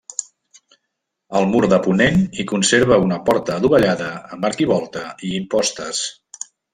Al mur de ponent hi conserva una porta adovellada amb arquivolta i impostes.